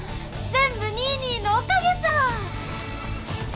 全部ニーニーのおかげさ！